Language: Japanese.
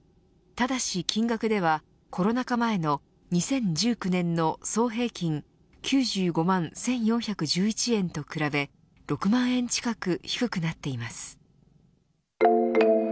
ただし金額ではコロナ禍前の２０１９年の総平均９５万１４１１円と比べ６万円近く低くなっています。